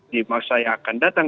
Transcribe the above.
di masa yang akan datang